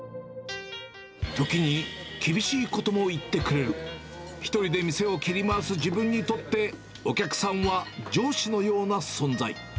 時に厳しいことも言ってくれる、１人で店を切り回す自分にとって、お客さんは上司のような存在。